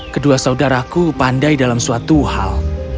kedua saudaraku pandai dalam suatu hal